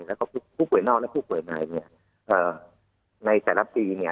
แล้วก็ผู้ป่วยนอกและผู้ป่วยใหม่เนี่ยในแต่ละปีเนี่ย